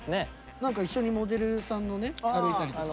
何か一緒にモデルさんのね歩いたりとか。